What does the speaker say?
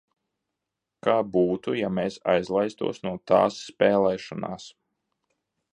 Kā būtu, ja mēs aizlaistos no tās spēlēšanās?